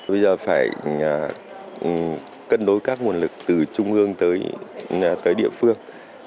bây giờ phải cân đối các nguồn lực từ trung ương tới địa phương